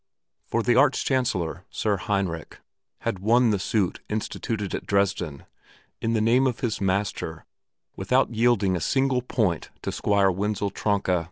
For the Arch Chancellor, Sir Heinrich, had won the suit instituted at Dresden in the name of his master without yielding a single point to Squire Wenzel Tronka.